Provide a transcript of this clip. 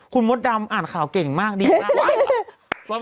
คุณมดดำอ่านข่าวเก่งมากดีมาก